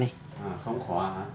không khóa hả